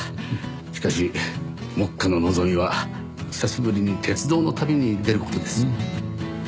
しかし目下の望みは久しぶりに鉄道の旅に出る事です。